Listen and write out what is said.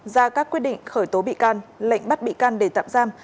ra các quyết định khởi tố bị can lệnh bắt bị can để tạm giam